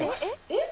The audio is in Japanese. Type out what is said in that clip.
えっ。